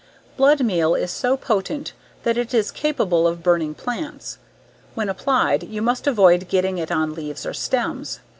Blood meal is so potent that it is capable of burning plants; when applied you must avoid getting it on leaves or stems.